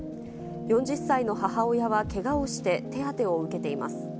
４０歳の母親はけがをして手当てを受けています。